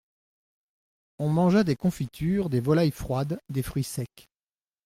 On mangea des confitures, des volailles froides, des fruits secs.